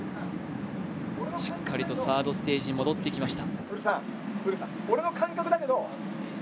しっかりとサードステージに戻ってきました。